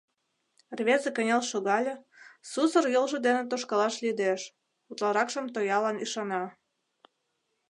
Рвезе кынел шогале, сусыр йолжо дене тошкалаш лӱдеш, утларакшым тоялан ӱшана.